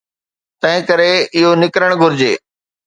تنهنڪري اهو نڪرڻ گهرجي.